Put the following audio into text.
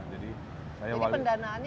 jadi pendanaannya dari mana